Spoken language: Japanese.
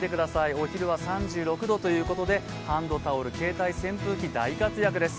お昼は３６度ということでハンドタオルと携帯扇風機が大活躍です。